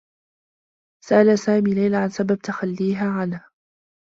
سأل سامي ليلى عن سبب تخلّيها عنه.